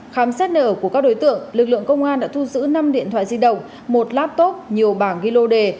khám xét nở của các đối tượng lực lượng công an đã thu giữ năm điện thoại di động một laptop nhiều bảng ghi lô đề